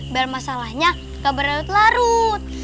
biar masalahnya gak berlarut larut